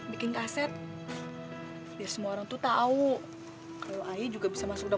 ini kayak begini nih yang abang suka nih